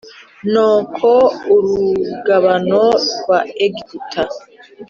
no ku rugabano rwa Egiputa